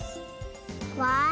わあ！